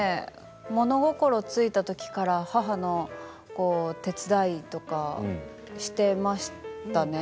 物心ついた時から母の手伝いとかしていましたね